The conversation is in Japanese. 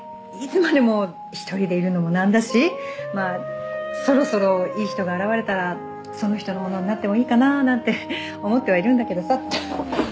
いつまでも１人でいるのもなんだしまあそろそろいい人が現れたらその人のものになってもいいかなあなんて思ってはいるんだけどさって。